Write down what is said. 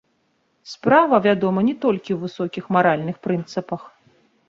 Справа, вядома, не толькі ў высокіх маральных прынцыпах.